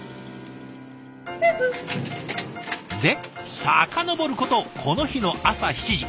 で遡ることこの日の朝７時。